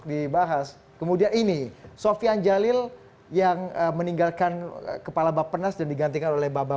dibahas kemudian ini sofyan jalil yang meninggalkan kepala bapak penas dan digantikan oleh babam